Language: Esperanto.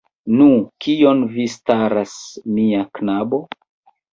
Nu, kion vi staras, mia knabo?